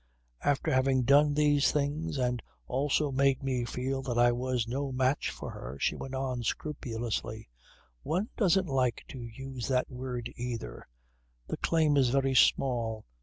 after having done these things and also made me feel that I was no match for her, she went on scrupulously: "One doesn't like to use that word either. The claim is very small.